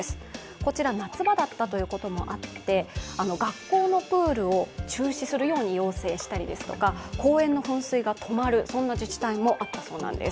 こちら夏場だったということもあって、学校のプールを中止するように要請したりですとか公園の噴水が止まるような自治体もあったそうです。